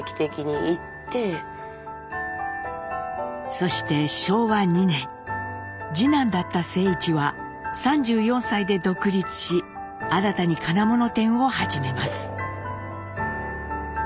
そして昭和２年次男だった静一は３４歳で独立し新たに金物店を始めます。